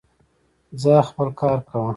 ځاا خپل کار کوه